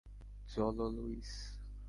চলো, লুইস।